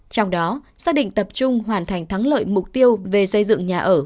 trong đó xác định tập trung hoàn thành thắng lợi mục tiêu về xây dựng nhà ở